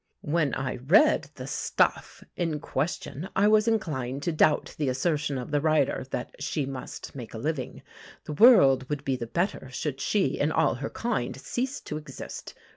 When I read the "stuff" in question, I was inclined to doubt the assertion of the writer that "she must make a living." The world would be the better should she and all her kind cease to exist.